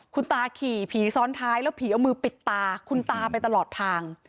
คุณตาขี่ผีซ้อนท้ายแล้วผีเอามือปิดตาคุณตาไปตลอดทาง